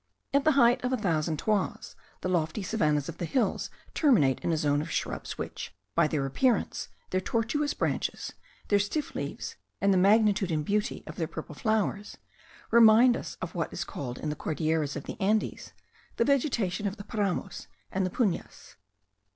At the height of a thousand toises, the lofty savannahs of the hills terminate in a zone of shrubs which, by their appearance, their tortuous branches, their stiff leaves, and the magnitude and beauty of their purple flowers, remind us of what is called, in the Cordilleras of the Andes, the vegetation of the paramos and the punas.